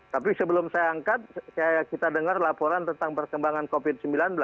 tapi sebelum saya angkat kita dengar laporan tentang perkembangan covid sembilan belas